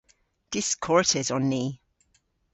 Diskortes on ni.